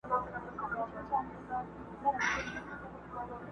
پر سوځېدلو ونو.!